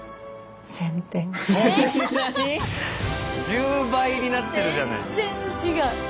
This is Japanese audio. １０倍になってるじゃない。